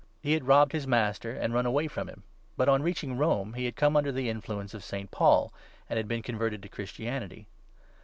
He had robbed his master and run away from him ; but, on reaching Rome, he had come under the influence of St. Paul, and had been converted to Christianity.